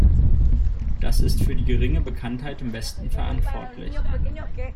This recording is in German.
Das ist für die geringe Bekanntheit im Westen verantwortlich.